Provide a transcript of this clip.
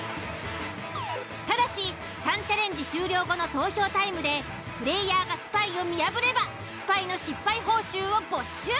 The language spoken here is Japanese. ただし３チャレンジ終了後の投票タイムでプレイヤーがスパイを見破ればスパイの失敗報酬を没収。